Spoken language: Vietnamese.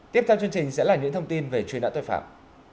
tiếp theo chương trình sẽ là những thông tin về truy nã tội phạm